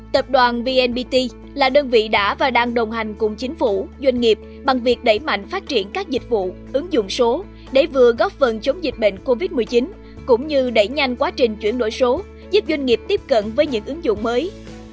tập đoàn vnpt là đơn vị đã và đang đồng hành cùng chính phủ doanh nghiệp bằng việc đẩy mạnh phát triển các dịch vụ ứng dụng số để vừa góp phần chống dịch bệnh covid một mươi chín cũng như đẩy nhanh quá trình chuyển đổi số giúp doanh nghiệp tiếp cận với những ứng dụng mới